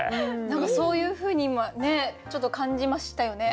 何かそういうふうに今ねちょっと感じましたよね。